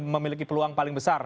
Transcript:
memiliki peluang paling besar